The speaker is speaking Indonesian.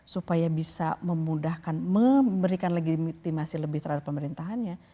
supaya bisa memudahkan memberikan legitimasi lebih terhadap pemerintahannya